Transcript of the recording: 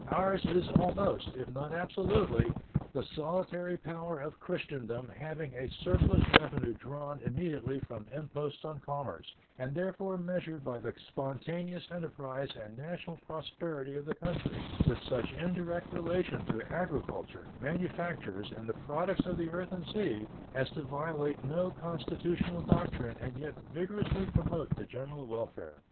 Ours is almost, if not absolutely, the solitary power of Christendom having a surplus revenue drawn immediately from imposts on commerce, and therefore measured by the spontaneous enterprise and national prosperity of the country, with such indirect relation to agriculture, manufactures, and the products of the earth and sea as to violate no constitutional doctrine and yet vigorously promote the general welfare.